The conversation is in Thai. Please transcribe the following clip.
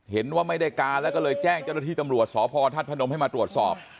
เห็นว่าไม่ได้การแล้วก็เลยแจ้งเจ้าหน้าที่ตำรวจสพธาตุพนมให้มาตรวจสอบ